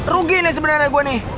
rugi nih sebenarnya gue nih